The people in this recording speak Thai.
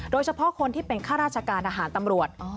โดยเฉพาะคนที่เป็นข้าราชการทหารตำรวจ